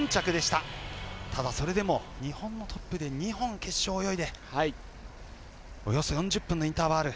ただ、それでも日本のトップで２本の決勝を泳いでおよそ４０分のインターバル。